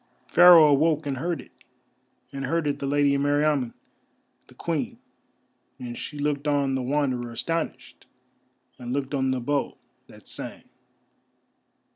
Pharaoh awoke and heard it, and heard it the Lady Meriamun the Queen, and she looked on the Wanderer astonished, and looked on the bow that sang.